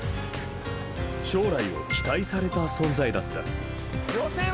［将来を期待された存在だった］